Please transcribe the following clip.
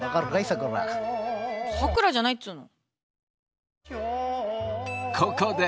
さくらじゃないっつうの。